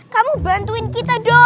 kamu bantuin kita dong